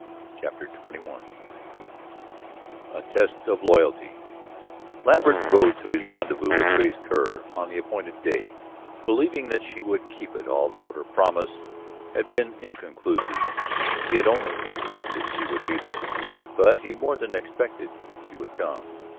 CHAPTER XXI A TEST OF LOYALTY Lambert rode to his rendezvous with Grace Kerr on the appointed day, believing that she would keep it, although her promise had been inconclusive. She had only "expected" she would be there, but he more than expected she would come.